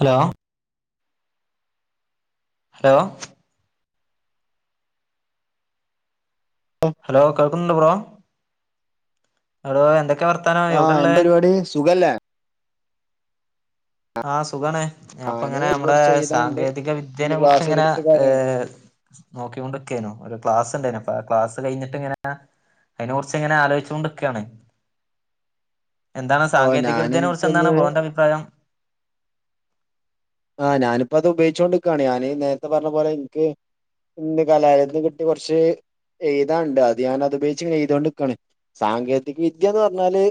Hello hello hello കേൾക്കുന്നുണ്ട് bro അവിട എന്തൊക്കെയ വർത്താനം ആഹ് എവിടെളേ എന്താ പരിപാടി സുഖല്ലേ ആ സുഖണ് അപ്പൊ ഞാന് ഇങ്ങനെ നമ്മടെ കൊറച്ച് എഴുതാണ്ട് സാങ്കേതിക ഇന്ന് വിദ്യേനെ കുറിച്ച് ഇങ്ങനെ ക്ലാസ്സുകളെടുത്ത കാര്യങ്ങള് ഏർ നോക്കിക്കൊണ്ട്ക്കേന ഒരു ക്ലാസ് ഉണ്ടേനു ക്ലാസ്സ് കഴിഞ്ഞിട്ട് ഇങ്ങനെ അതിനെ കുറിച്ച് എങ്ങനെ ആലോചിച്ചു കൊണ്ടിക്കയാണ് എന്താണ് ഓ സാങ്കേതിക ഞാന് വിദ്യനെ കുറിച്ച് എന്താണ് ഇനിക്കിന്ന് ബ്രോന്റെ അഭിപ്രായം ആ ഞാനിപ്പ അത് ഉപയോകൊണ്ടിരികാണ് ഞാൻ നേരത്തെ പറഞ്ഞ പോലെ എനിക്ക് ഇന്ന് കലാലയത്ത് കിട്ടി കുറച്ച് എഴുതാണ്ട് അത് ഞാനത് ഉപയോകിച്ച് എതൊണ്ടിരിക്കാണ് സാങ്കേതിക വിദ്യ എന്ന് പറഞ്ഞാല്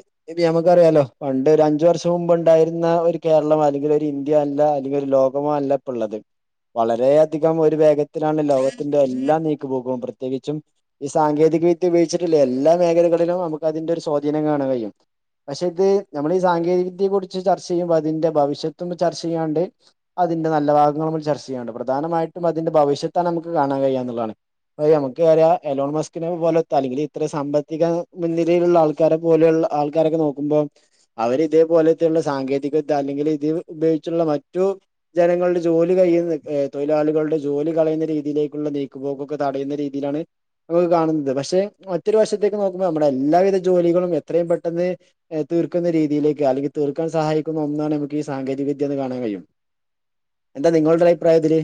നമുക്ക് ലോ പണ്ട് ഒരു അഞ്ചു വർഷം മുമ്പ് ഉണ്ടരുന്ന ഒരു കേരളം അല്ലെങ്കിൽ ഒരു ഇന്ത്യ അല്ല ഒരു ലോകമാ അല്ല ഇപ്പ ഇള്ളത് വളര അധികം ഒരു വേഗത്തിലാണ് ലോകത്തിന്റെ എല്ലാം നീക്കി പോക് പ്രത്യേകിച്ചും ഈ സാങ്കേതിക ഇ വിദ്യ ഉപയോഗിച്ചിട്ടില്ല എല്ലാ മേഖലകളിലും നമക്ക് അതിന്റെ ഒരു സ്വാധീനം കാണാ കഴിയും പക്ഷെ ഇത് നമ്മൾ ഈ സാങ്കേതിക വിദ്യയെ കുറിച്ച് ചർച്ച ചെയ്യുമ്പോ അതിന്റെ ഭവിഷ്യത്ത്പ ചർച്ച ചെയ്യാണ്ട് അതിന്റെ നല്ല ഭാഗങ്ങളമ്മിൽ ചർച്ച ചെയ്യണ്ട് പ്രധാനമായിട്ടും അതിന്റെ ഭവിഷ്യത്ത നമുക്ക് കാണാൻ കഴിയാ എന്നുള്ളതാണ് അ നമുക്ക്റിയ എലോൺ മസ്കിനെ പോലെ അല്ലെങ്കിൽ ഇത്ര സാമ്പത്തിക മുന്നിലയിലുള്ള ആൾക്കാരെ പോലെയുള്ള ആൾക്കാരൊക്കെ നോക്കുമ്പോം അവർ ഇതേപോലെയുള്ള സാങ്കേതിക വിദ്യ അല്ലെങ്കിൽ ഇത് ഉപയോഗിച്ചുള്ള ദു ജനങ്ങളുടെ ജോലി കഴിയുന്ന് ദു തൊഴിലാളികളുടെ ജോലി കളയുന്ന രീതിയിലേക്കുള്ള നീക്കുപോക്കൊക്കെ ത ടയുന്ന രീതിയിലാണ് നമൾ കാണുന്നത് പക്ഷെ മറ്റൊരു വർശത്തേക്ക് നോക്കുമ്പോൾ നമ്മുടെ എല്ലാവിധ ജോലികളും എത്രയും പെട്ടെന്ന് തീർക്കുന്ന രീതിയിലെക്ക് അല്ലെങ്ക തീർക്കാൻ സഹായിക്കുന്ന ഒന്നാണ് നമുക്ക്ഈ സാങ്കേതിക വിദ്യയന്ന് കാണൻ കഴിയും എന്താ നിങ്ങളുടെ അഭിപ്രായം ഇതില്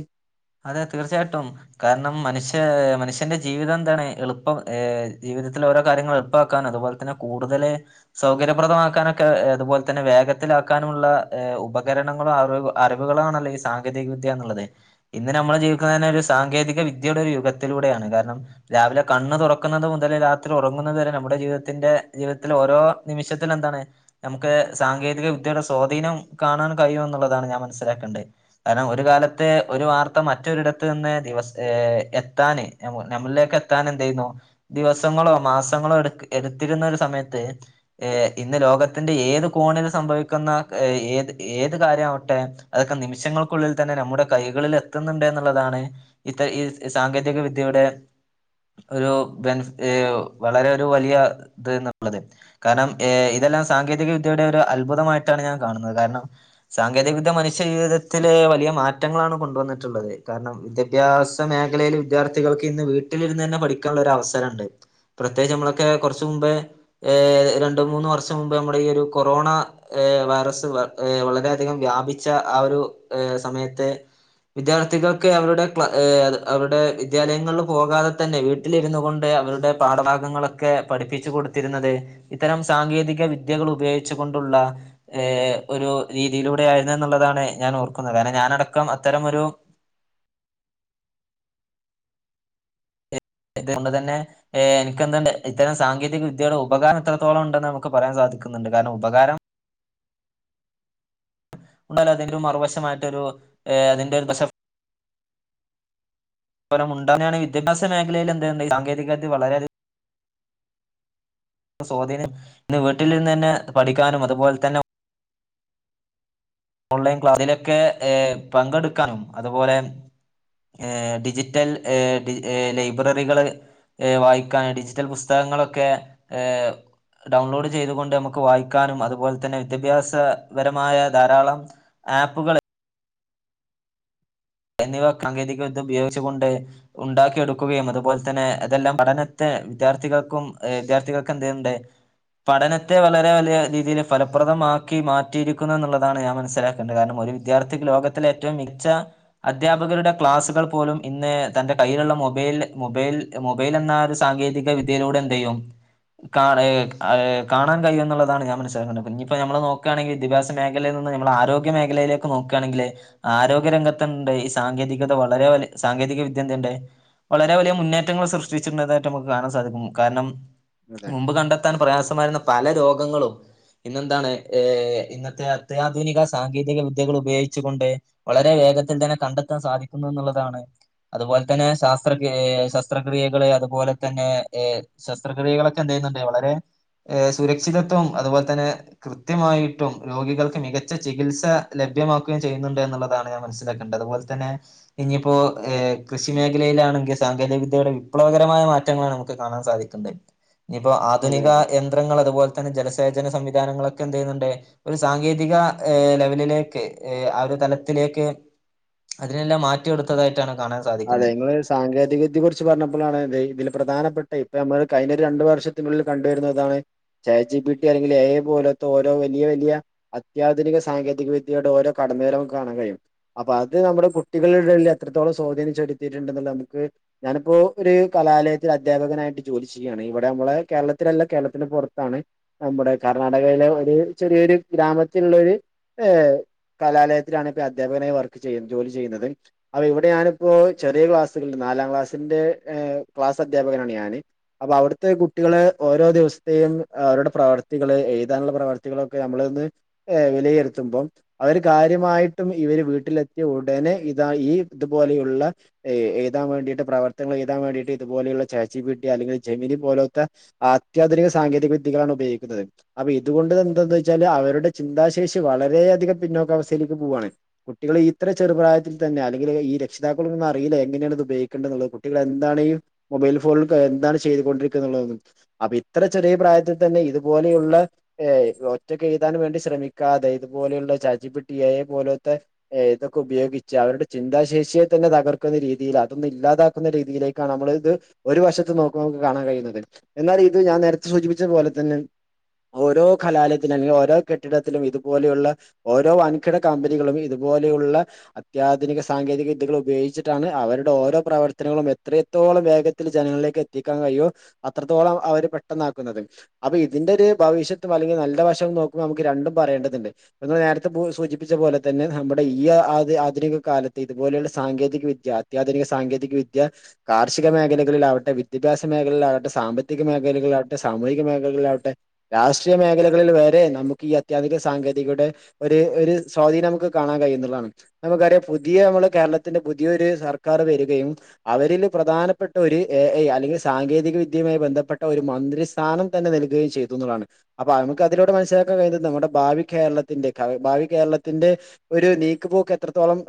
അതെ തീർച്ചയായിട്ടും കാരണം മനുഷ്യ മനുഷ്യന്റെ ജീവിതം എന്താണ് എളുപ്പം ഏ ജീവിതത്തിൽ ഓരോ കാര്യൾ എളപ്പാക്കാൻ അതുപോലെന്നെ കൂടുതൽ സൗകര്യപ്രദമാക്കാനൊക്കെ അതുപോലെന്നെ വേഗ ത്തിലാക്കാനുള്ള ഉപകരണങ്ങളും അറി അറിവുകള ആണല്ലോ ഈ സാങ്കേതിക വിദ്യ എന്നുള്ളത് ഇന്ന് നമ്മൾ ജീവിക്കുന്ന തന്നെ ഒരു സാങ്കേതിക വിദ്യയുടെ ഒരു യുഗത്തിലൂടെയാണ് കാരണം രാവിലെ കണ്ണ് തുറക്കുന്നത് മുതൽ രാത്രി ഉറങ്ങുന്നത്തുവരെ നമ്മുടെ ജീവിതത്തിന്റെ ജീവിതത്തിൽ ഓരോ നിമിഷത്തില എന്താണ് നമുക്ക് സാങ്ക വിദ്യയുടെ സ്വാധീനം കാണാൻ കഴിയുമുള്ളതാണ് ഞാൻ മനസ്സിലാക്കേണ്ടത് കാരണം ഒരു കാലത്തെ ഒരു വാർത്ത മറ്റൊരിടത്ത് നിന്ന് ദിവസ ഏ എത്താന് നമ്മളിലേക്ക് എത്താൻ എന്ത ചെയ്യുന്നു ദിവസങ്ങളോ മാസങ്ങളോ എടു എടുത്തിരുന്ന ഒരു സമയത്ത് ഇന്ന് ലോകത്തിന്റെ ഏത് സംഭവിക്കുന്ന ഏ ഏത് കാര്യമാവട്ടെ അതൊക്കെ നിമിഷങ്ങൾക്കുള്ളിൽ തന്നെ നമ്മുടെ കൈകളിൽ എത്തുന്നുണ്ട് എന്നുള്ളതാണ് ഇത്ത ഈ സാങ്കേതിക വിദ്യയുടെ ഒരു ഏ വളരെ ഒരു വലിയ ഇത്ന്നുള്ളത് കാരണം ഏ ഇത് ല്ലാം സാങ്കേതിക വിദ്യയുടെ ഒരു അത്ഭുതമായിട്ടാണ് ഞാൻ കാണുന്നത് കാരണം സാങ്കേതിക വിദ്യ മനുഷ്യ ജീവിതത്തിലെ വലിയ മാറ്റം ങ്ങളാണ് കൊണ്ടുവന്നിട്ടുള്ളത് കാരണം വിദ്യാഭ്യാസ മേഖലയിൽ വിദ്യാർത്ഥികൾക്ക് ഇന്ന് വീട്ടിലിരുന്ന് തന്നെ പഠിക്കാനുള്ള അവസരുണ്ട് പ്രത്യേകിച്ച് നമ്മളൊക്കെ കുറച്ച മുമ്പ് ഹ് രണ്ടു മൂന്ന വർഷം മുമ്പ് നമ്മുടെ ഈ ഒരു ഒരു കൊറോണ വൈറസ് വളരെയധികം വ്യാപിച്ച ആ ഒരു സമയത്തെ [inaudible] വിദ്യാർത്ഥികൾക്ക് അവരുടെ അവരുടെ വിദ്യാലയങ്ങളിൽ പോകാതെ തന്നെ വീട്ടിലിരുന്നു കൊണ്ട് ടെ പാഠഭാഗങ്ങളൊക്കെ പഠിപ്പിച്ചു കൊടുത്തിരുന്നത് ഇത്തരം സാങ്കേതിക വിദ്യകൾ ഉപയോഗിച്ചുക കൊണ്ടുള്ള ഒരു രീതിയിലൂടെ ആയിരുന്നു എന്നുള്ളതാണ് ഞാൻ ഓർക്കുന്നത് കാരണം ഞാനട രം അത്തരമൊരു ഇതുകൊണ്ട്ു തന്നെ എനിക്ക് എതുണ്ട് ഇരം സാങ്കേതിക വിദ്യയുടെ ഉപകാരം എത്രത്തോളം ഉണ്ടെന്ന് നമുക്ക് പറയാൻ സാധിക്കും ക്കുന്നുണ്ട് കാരണം ഉപകാരം ഉണ്ടാലും അതിന്റെ ഒരു മറുവശമായിട്ടൊ ഒരു അതിന്റെ ഒരു ദശ പരമ ഉണ്ടാവെയാണ് വിദ്യാഭ്യാസ മേഖലയിൽ എന്ത സാങ്കേതികവിദ്യ വളരെയധികം സ്വാധീന ഇന്ന് വീട്ടിൽ നിന്ന് തന്നെ പഠിക്കാനും അതുപോലെ തന്നെ ഓൺലൈൻ ക്ലാലൊക്കെ പങ്കെടുക്കാനും അതുപോലെ ഏ ഡിജിറ്റൽ ഡിജി ലൈബ്രറികള് ഏ വായിക്കാൻ ഡിജിറ്റൽ പുസ്തകങ്ങളൊക്കെ ഏർ ഡൗൺലോഡ് ചെയ്തുകൊണ്ട് നമുക്ക് വായിക്കാനും അതുപോലെ തന്നെ വിദ്യാഭ്യാസപരമായ ധാരാളം ആപ്പുകള് എന്നിവ സാങ്കേതികവിദ്യ ഉപയോഗിച്ചുക കൊണ്ട് ഉണ്ടാക്കിയെടുക്കുകയും അതുപോലെ തന്നെ അതെല്ലാം പഠനത്തെ വിദ്യാർത്ഥികൾക്കും ഏ വിദ്യാർത്ഥികൾക്കും എന്ത ചെയ്യണ്ട് പഠനത്തെ വളരെ വലിയ രീതിയിൽ ഫലപ്രദമാക്കി മാറ്റിയിരിക്കുന്നു എന്നുള്ളതാണ് ഞാൻ മനസ്സിലാക്കേണ്ടത് കാരണം ഒര് ഒരു വിദ്യാർത്ഥിക്ക് ലോകത്തിലെ ഏറ്റവും മിച്ച അധ്യാപകരുടെ ക്ലാസ്സുകൾ പോലും ഇന്ന് തന്റെ കയ്യിലുള്ള മൊബൈൽ മൊബൈൽ മൊബൈൽ എന്ന ഒരു സാങ്ക സാങ്കേതിക വിദ്യയിലൂടെ എന്ത് ചെയ്യും കാ ഏ ഏ കാണാൻ കഴിയുന്നുള്ളതാണ് ഞാൻ മനസിലാക്കണ്ടത് ഇഞ്പ്പോ നമ്മൾ നോക്കാണെങ്കിൽ വിദ്യാഭ്യാസ മേഖല പിഞ്ഞമ്മള് ആരോഗ്യമേഖലയിലേക്ക് നോക്കാണെങ്കിൽ ആരോഗ്യരംഗത്തു ണ്ട് ഈ സാങ്കേതികത വളരെ വലി സാങ്കേതിക വിദ്യന്തുണ്ട് വളരെ വലിയ മുന്നേറ്റങ്ങൾ സൃഷ്ടിച്ചിട്ട്ണ്ടതായിട്ട് നമുക്ക് കാണാൻ സാധിക്കും കാരണം അതെ മുമ്പ് കണ്ടെത്താൻ പ്രയാസമായിരുന്ന പല രോഗങ്ങളും ഇന്നെന്താണ് ഏ ഇന്നത്തെ അത്യാധുനിക സാങ്കേതിക വിദ്യകൾ ഉപയോഗിച്ചു കൊണ്ട് വളരെ വേഗത്തി ത്തിൽ തന്നെ കണ്ടെത്താൻ സാധിക്കുന്നു എന്നുള്ളതാണ് അതുപോലെ തന്നെ ശാസ്ത്രക് ഏ ശസ്ത്രക്രിയകള് അതുപോലെ തന്നെ ഏ ശസ്ത്രക്രിയകളൊക്കെ എന്തെ നണ്ട് വളരെ ഏ സുരക്ഷിതത്വം അതുപോലെ തന്നെ കൃത്യമായിട്ടും രോഗികൾക്ക് മികച്ച ചികിത്സ ലഭ്യ ലഭ്യമാക്കുകയും ചെയ്യൂന്നുണ്ട് എന്നുള്ളതാണ് ഞാൻ മനസ്സ് അതൊക്കെണ്ട് അതുപോലെ തന്നെ ഇനിയിപ്പോ ഏ കൃഷി മേഖലയിലാണെങ്കിൽ സാങ്കേതിക വിദ്യയുടെ വിപ്ലവകരമായ മാറ്റങ്ങളാണ് നമുക്ക് കാണാൻ സാധിക്കുന്നത് ഇഞ്പ്പോ അതെ ആധുനിക അതെ യന്ത്രങ്ങൾ അതുപോലെ തന്നെ ജല ത്തേചന സംവിധാനങ്ങളൊക്കെ എന്തെയ്യ്ന്ന്ണ്ട് ഒരു സാങ്കേതിക ഏ ലെവലിലേക്ക് ഏ ആ ഒരു തലത്തിൽ ഏക് അതിനെല്ലാം മാറ്റി കൊടുത്തതായിട്ടാണ് അതെ നിങ്ങളൊരു സാങ്കേതികവിദ്യയെ കുറിച്ച് പറഞ്ഞപ്പളാണ് ഇതേ ഇതില് പ്രധാനപ്പെട്ട ഇപ്പൊ ഞമ്മള് കഴിഞ്ഞൊരു രണ്ടു വർഷത്തിനുള്ളിൽ കണ്ടുവരുന്നതാണ് ചേച്ചി പിട്ടി അല്ലെങ്കി എ ഐ പോലോത്ത ഓരോ [unintelligible] അത്യാധുനിക സാങ്കേതിക വിദ്യയുടെ ഓരോ കടന്നുവരവും കാണാൻ കഴിയും അപ്പൊ അത് നമ്മുടെ കുട്ട് ട്ടികള് [unintelligible] എത്രത്തോളം സ്വാധീനം ച്ചെടുതിയിട്ടുണ്ടെന്ന്ള്ളെ അമക്ക് ഞാനിപ്പോ ഒര് കലാലയത്തിൽ അധ്യാപകനായിട്ട് ജോലി ചെയ്യാണ്. ഇവടെ അമ്മളെ കെ കേരളത്തിലല്ല കേരളത്തിന്റെ പൊറത്താണ് നമ്മടെ കർണാടകയിലെ ഒരു ചെറിയൊരു ഗ്രാമത്തിലുള്ളൊരു ഏഹ് കലാലയത്തിലാണ് ഇപ്പ അധ്യാപകനായി വർക്ക് ചെയ്യുന്നത് ജോലി ചെയ്യുന്നത് അപ്പൊ ഇവടെ ഞാന് ഇപ്പോ ചെറിയ ക്ലാസുകൾ നാലാം ക്ലാസിന്റെ ഏഹ് ക്ലാസധ്യാപകനാണ് ഞാന് അപ്പോ അവട്ത്തെ കുട്ടി കളെ ഓരോ ദിവസത്തെയും അവരുടെ പ്രവർത്തികള് എഴ്താനുള്ള പ്രവർത്തികളൊക്കെ നമ്മളൊന്ന് ഏഹ് വിലയിരുത്തുമ്പം അവര് കാര്യമായിട്ടും ഇവര് വീട്ടിലെത്തിയ ഉടനെ ഇതാ ഈ ഇത്പോലെയു ള്ള ഏഹ് ഏയ്താൻ വേണ്ടിട്ട് പ്രവർത്തനങ്ങൾ ഏയ്താൻ വേണ്ടിട്ട് ഇത്പോലയുള്ള ചാറ്റ് ജി പി ടി അല്ലെങ്കിൽ ജെമിനി പോലോത്ത അത്യാധുനിക സാങ്കേതിക വിദ്യകളാണ് ഉപയോഗിക്കുന്നത് അപ്പൊ ഇത്കൊണ്ട് തെന്താന്ന് വെച്ചാല് അവരുടെ ചിന്താശെ ഷി വളരെയധികം പിന്നോക്കാവസ്ഥയിലേക്ക് പോവാണ് കുട്ടികൾ ഇത്ര ചെറുപ്രായത്തിൽ തന്നെ അല്ലെങ്കില് ഈ ര ക്ഷിതാക്കള്തൊന്ന്വറീല്ല എങ്ങനെണ് ത് ഉപയോഗിക്കേണ്ടനുള്ളെ കുട്ടികൾ എന്താണ് ഈ മൊബൈൽ ഫോണിൽ കയ് എന്താണ് ചെയ്ത് കൊണ്ടിരിക്ക്ന്ന ള്ളത് അപ്പൊ ഇത്ര ചെറിയ പ്രായത്തിൽ തന്നെ ഇത്പോലെയുള്ള ഏഹ് ഒറ്റക്ക് എഴ്താന് വേണ്ടി ശ്രമി ക്കാതെ ഇത്പോലെയുള്ള chat G P T, A I പോലോത്തെ ഏഹ് ഇതൊക്കെ ഉപയോഗിച്ച അവരുടെ ചിന്താശേ ഷിയെ തന്നെ തകർക്കുന്ന രീതിയില് അതൊന്നും ഇല്ലാതാക്കുന്ന രീതിയിലേക്കാണ് നമ്മള് ത് ഒരു വശത്ത് നോക്കുമ്പോ അമക്ക് കാണാൻ കഴിയി [unintelligible] [unintelligible] എന്നാൽ ഇത് ഞാൻ നേരത്തെ സൂചിപ്പിച്ചതു പോലെ തന്നെ ഓരോ കലാലയത്തിലും അല്ലെങ്കി ഓരോ കെട്ടിടത്തിലും ഇത്പോലെയുള്ള ഓരോ വൻകിട കമ്പനികളും ഇത് പോലെയുള്ള അത്യാധുനിക സാങ്കേതിക വിദ്യകള് ഉപയോഗിച്ചിട്ടാണ് അവരുടെ ഓരോ പ്രവർത്തനങ്ങളും എത്രത്തോളം വേഗത്തിൽ ജനങ്ങളിലേക്ക് എത്തിക്കാൻ കഴിയോ അത്രത്തോളം അവര് പെട്ടെന്നാക്കുന്നത് അപ്പൊ ഇതിൻ്റൊരു ഭവിഷ്യത്തും അല്ലെങ്കിൽ നല്ല വശം നോക്കുമ്പോൾ നമുക്ക് രണ്ടും പറയേണ്ടതുണ്ട് [unintelligible] നേരത്തെ സൂചിപ്പിച്ച പോലെ തന്നെ നമ്മടെ ഈയ്യ ആദ്യ ആധുനിക കാലത്ത് ഇത്പോലെയുള്ള സാങ്കേതിക വിദ്യ അത്യാധുനിക സാങ്കേതിക വിദ്യ കാർഷിക മേഖലകളിലാവട്ടെ വിദ്യാഭ്യാസ മേഖലകളിലാവട്ടെ സ് സാമ്പത്തിക മേഖലകളിലാവട്ടെ സാമൂഹിക മേഖലകളിലാവട്ടെ രാഷ്ട്രീയ മേഖലകളിൽ വരെ നമുക്കീ അത്യാധു സാങ്കേതികയുടെ ഒര് ഒര് സ്വാധീനം നമുക്ക് കാണാൻ കഴിയുന്ന്ള്ളാണ് നമുക്കറിയാം പുതിയ നമ്മള് കേരളത്തി ന്റെ പുതിയൊരു സർക്കാർ വരികയും അവരിൽ പ്രധാനപ്പെട്ടൊര് എ ഐ അല്ലെങ്കിൽ സാങ്കേതിക വിദ്യ മായി ബന്ധപ്പെട്ട ഒരു മന്ത്രി സ്ഥാനം തന്നെ നൽകുകയും ചെയ്തുന്ന്ള്ളാണ് അപ്പൊ അമുക്ക് അതിലൂടെ മൻസ്സിലാക്കാൻ കഴിയുന്നത് നമ്മുടെ ഭ ഭാവി കേരളത്തിന്റെ ഭാവി കേരളത്തിന്റെ ഒരു നീക്ക് പോക്ക് എത്രത്തോളം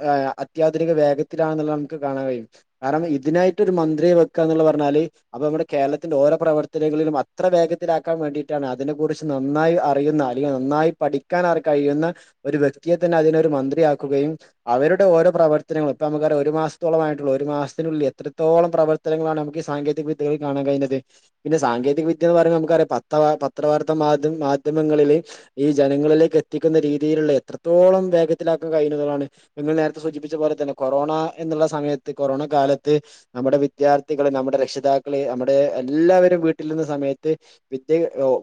അത്യാ- വേഗത്തിലാനുള്ളത് നമുക്ക് കാണാൻ കഴിയും കാരണം ഇതിനായിട്ട് ഒരു മന്ത്രിയെ വെക്കുനുള്ള പറഞ്ഞാല് അപ്പൊ നമ്മടെ - കേരളത്തിന്റെ ഓരോ പ്രവർത്തനങ്ങളിലും അത്ര വേഗത്തിലാക്കാൻ വേണ്ടിയിട്ടാണ് അതിനെക്കുറിച്ച് നന്നായി അറിയുന്ന അല്ലെങ്കിൽ നന്നായി- നന്നായി പഠിക്കാൻ ആയി കഴിയുന്ന ഒരു വ്യക്തിയെ തന്നെ അതിനൊരു മന്ത്രിയാക്കുകയും അവരുടെ ഓരോ പ്രവർ- മൊത്തം നമ്മക്കറിയാം ഒരു മാസത്തോളമായിട്ടുള്ളൂ ഒരു മാസത്തിനുള്ളിൽ എത്രത്തോളം പ്രവർത്തനങ്ങളാണ് നമുക്ക് ഈ സാങ്കതികവിദ്യകളിൽ കാണാൻ കഴിക്കുക [unintelligible] പിന്നെ സാങ്കേതികവിദ്യ എന്ന് പറയുമ്പോ നമുക്കറിയാം പത്ത പത്രവർത്ത മാധ്യ മാധ്യമങ്ങളില്- ഈ ജനങ്ങളിലേക്ക് എത്തിക്കുന്ന രീതിയിലുള്ള എത്രത്തോളം വേഗത്തിലാക്കുന്ന കഴനുകളാണ് നിങ്ങൾ നേരത്തെ സൂചിപ്പിച്ച പോല ഇത് തന്നെ കൊറോണ എന്നുള്ള സമയത്ത് കൊറോണ കാലത്ത് നമ്മുടെ വിദ്യാർത്ഥികള് നമ്മുടെ രക്ഷിതാക്കള് നമ്മുടെ- എല്ലാവരും വീട്ടിൽ നിന്ന സമയത്ത് വിദ്യ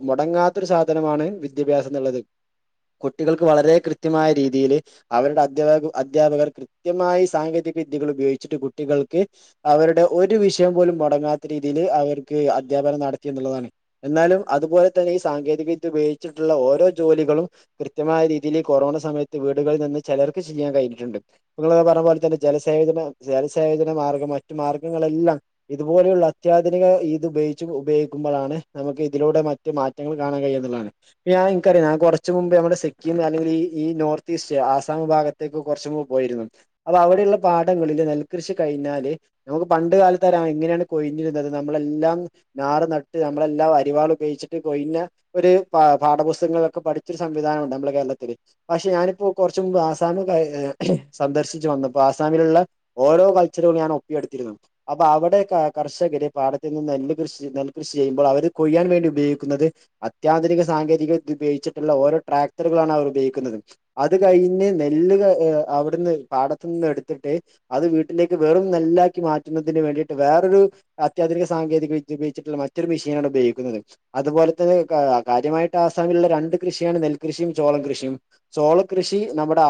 മുടങ്ങാത്തൊരു സാധനമാണ് വിദ്യാഭ്യാസം എന്നുള്ളത് കുട്ടികൾക്ക് വളരെ കൃത്യമായ രീതിയില് അവരുടെ അധ്യാപക അദ്ധ്യാപകർ കൃത്യമായി സാങ്കേതിക വിദ്യകൾ ഉപയോഗിച്ചിട്ട് കുട്ടികൾക്ക് അവരുടെ ഒരു വിഷയം പോലും മുടങ്ങാത്ത രീതിയില് - അവർക്ക് അധ്യാപന നടത്തി എന്നുള്ളതാണ് എന്നാലും അതുപോലെ തന്നെ ഈ സാങ്കേതികവിദ്യ ഉപയോഗിച്ചിട്ടുള്ള ഓര- ഓരോ ജോലികളും കൃത്യമായ രീതിയിൽ കൊറോണ സമയത്ത് വീടുകളിൽ നിന്ന് ചെർക്ക് ചെയ്യാൻ കഴിഞ്ഞിട്ടുണ്ട് നിങ്ങള് പറഞ്ഞപോലെ തന്നെ ജലസേചന ജലസേചന മാർഗം മറ്റു മാർഗങ്ങളെല്ലാം ഇതുപോലെയുള്ള അത്യ - അത്യാധുനിക ഇത് ഉപയോഗിച്ച് ഉപയോഗിക്കുമ്പോഴാണ് നമുക്ക് ഇതിലൂടെ മറ്റ് മാറ്റങ്ങൾ കാണാൻ കഴിയുന്നത് എന്നുള്ളതാണ് നിങ്ങക്കറിയാം ഞാൻ കൊറച്ച് മുൻപേ നമ്മടെ സിക്കിം കാലങ്ങളിൽ ഈ നോർത്തിസ് ആസാം ഭാഗത്തേക്ക്‌ കൊറച്ച് - പോയിരുന്നു അപ്പൊ അവിടെയുള്ള പാടങ്ങളില് നെൽകൃഷി കഴിഞ്ഞാല് നമുക്ക് പണ്ട് കാലത്ത് ആ എങ്ങനെയാണ് കോയ് - പിന്നെ നമ്മളെല്ലാം ഞാറ് നട്ട് നമ്മളെല്ലാം അരിവാള ഉപയോഗിച്ചിട്ട് കൊഴിഞ്ഞ - പാഠ പുസ്തകങ്ങളിലൊക്കെ പഠിച്ചൊരു സംവിധാനം ഉണ്ട് നമ്മുടെ കേരളത്തില് പക്ഷെ ഞാനിപ്പോ കൊറച്ച് മുൻപ് ആസമി - സന്ദർശിച്ചു വന്നുപ്പോ അസാമിലുള്ള ഓരോ കൾച്ചറുകളും ഞാൻ ഒപ്പിയെടുത്തിരുന്നു അപ്പൊ അവിടെയൊക്കെ - കർഷകര് പാടത്തി നിന്ന് നെ കൃഷി നെൽകൃഷി ചെയ്യുമ്പോൾ അവര് കൊയ്യാൻ വേണ്ടി ഉപയോഗിക്കുന്നത് അത്യാധുനിക ങ്കേതിക ഉപയോഗിച്ചിട്ടുള്ള ഓരോ ട്രാക്ടറുകളാണ് അവർ ഉപയോഗിക്കുന്നത് അത് കഴിഞ്ഞ് നെല്ല് അവിടുന്ന് പാടത്തിു നിന്ന് എടുത്തിട്ട് അത് വീട്ടിലേക്ക് വെറും നെല്ലാക്കി മാറ്റുന്നതിന് വേണ്ടിയിട്ട് വേറൊരു അത്യാധുിക സാങ്കേതിക വിദ്യ ഉപയോഗിച്ചിട്ടുള്ള മറ്റൊരു മിഷീനാണ് ഉപയോഗിക്കുന്നത് അതുപോലെ തന്നെ കാര്യമായിട്ട് ആസാമിലുള്ള രണ്ട് കൃഷിയാണ് നെൽകൃഷിയും ചോളം കൃഷിയും ചോള കൃഷി നമ്മുടെ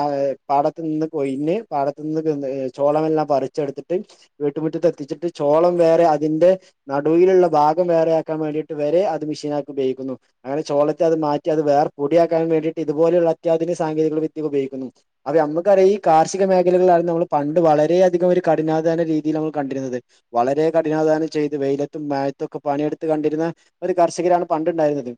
പാട നിന്ന് കൊയിഞ് പാടത്ത് നിന്ന് ചോളംെല്ലാം പററിിച്ചെടുത്തിട്ട് വീട്ടുമുറ്റത്ത് എത്തിച്ചിട്ട് ചോളം വേറെ അതിന്റെ നടുവിലുള്ള ഭാഗം വേറെയാക്കാൻ വേണ്ടിട്ട് വരെ അത് മിഷീനാക്കി ഉപയോഗിക്കുന്നു അങ്ങനെ ചോ ളത്തെ അത് മാറ്റി അത് വേറെ പൊടിയാക്കാൻ വേണ്ടയിട്ട് ഇതുപോലുള്ള അത്യാധുന സാങ്കേതിക വിദ്യ ഉപയോഗിക്കുന്നു അക്ക് ക്കറിയാ ഈ കാർഷിക മേഖലകളിലാണ് നമ്മൾ പണ്ട് വളരെയധികം ഒരു കഠിനാധാന രീതിയിൽ നമ്മൾ കണ്ടിരുന്നത് വളരെ കഠിനാദാനം ചെയ്ത് വെയിലത്തും മായത്തുംൊക്കെ പണിയെടുത്ത് കണ്ടിരുന്ന ഒരു കർഷകരാണ് പണ്ടുണ്ടായിരുന്നത്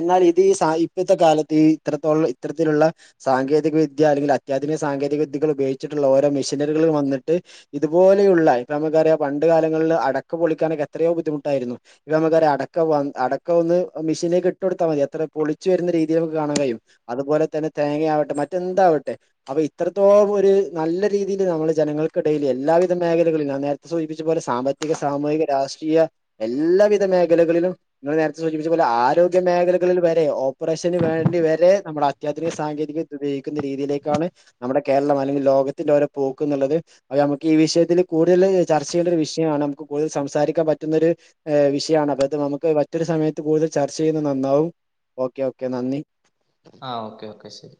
എന്നാൽ ഇത് ഈ ഇപ്പോഴത്തെ കാലത്ത് ഈ ഇത്രത്തോ ഇത്തരത്തിലുള്ള സാങ്കേതിക വിദ്യ അല്ലെങ്കിൽ അത്യാധുിക സാങ്കേതിക വിദ്യകൾ ഉപയോഗിച്ചിട്ടുള്ള ഓരോ മെഷിനറികും വന്നിട്ട് ഇതുപോലെയുള്ള ഇപ്പൊ നമുക്കറിയാം പണ്ട് ണ്ട് കാലങ്ങളില് അടക്ക പൊളിക്കാനൊക്കെ എത്രയോ ബുദ്ധിമുട്ടായിരുന്നു ഇപ്പ നമുക്കറിയ അടക്കവ അടക്ക ഒന്ന് മെഷീനേ ഇട്ട് കൊട്ത്താ മതി എത്ര പൊളിച്ചു വരുന്ന രീതി നമുക്ക് കാണാൻ കഴിയും അതുപോലെ തന്നെ തേങ്ങയാവട്ടെ മറ്റെന്താവട്ടെ അപ്പൊ ഇത്രത്തോം ഒരു നല്ല രീതിയിൽ നമ്മള് ജനങ്ങൾക്കിടയിൽ എല്ലാവിധ മേഖലകളില നേരത്തെ സൂചിപ്പിച്ചച്ച് പോല സാമ്പത്തിക സാമൂഹിക രാഷ്ട്രീയ എല്ലാവിധ മേഖലകളിലും നിങ്ങൾ നേരത്തെ സൂചിപ്പിച്ച പോലെ ആരോഗ്യ മേഖലകളിൽ വരെ ഓപ്പറേഷന് വേണ്ടി വരെ നമ്മുടെ അത്യാധുനിക സാങ്കേതിക വിദ്യ ഉപയോഗിക്കുന്ന രീതിയിലേക്കാണ് നമ്മുടെ കേരളം അല്ലെങ്കിൽ ലോകത്തിന്റെ അവരെ പോക്ക് എന്നുള്ളത് അപ്പ നമുക്ക് ഈ വിഷയത്തിൽ കൂടുതൽ ചർച്ച ചെയ്യേണ്ട ഒരു വിഷയം യണ് നമുക്ക് കൂടുതൽ സംസാരിക്കാൻ പറ്റുന്ന ഒരു വിഷയമാണ് അപ്പ അത് നമുക്ക് മറ്റൊരു സമയത്ത് കൂതൽ ചർച്ച ചെയ്യുന്ന ന്നാവും ഓക്കെ ഓക്ക ആഹ ഓക്കെ ഓക്കെ ശരി